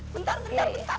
bentar bentar bentar